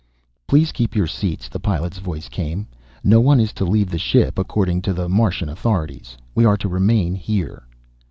"Please keep your seats," the pilot's voice came. "No one is to leave the ship, according to the Martian authorities. We are to remain here."